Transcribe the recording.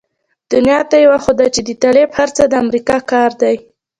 دنيا ته يې وښوده چې د طالب هر څه د امريکا کار دی.